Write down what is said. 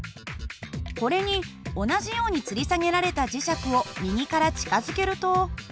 これに同じようにつり下げられた磁石を右から近づけると。